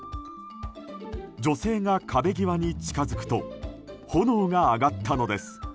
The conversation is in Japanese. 女性が壁際に近づくと炎が上がったのです。